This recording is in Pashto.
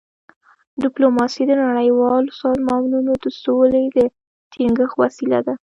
ډيپلوماسي د نړیوالو سازمانونو د سولي د ټینګښت وسیله ده.